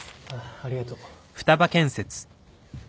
ありがとう。